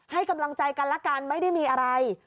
ให้กำลังใจกันละกันไม่ได้มีอะไร